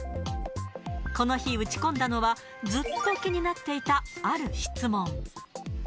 この日、打ち込んだのは、ずっと気になっていたある質問。